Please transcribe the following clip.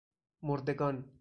مردگان